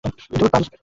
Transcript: ধুর, বাল।